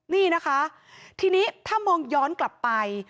นี่นะคะทีนี้ถ้ามองย้อนกลับไป